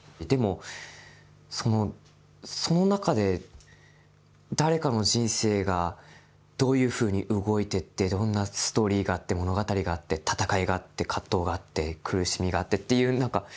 でもその中で誰かの人生がどういうふうに動いてってどんなストーリーがあって物語があって戦いがあって葛藤があって苦しみがあってっていう何か。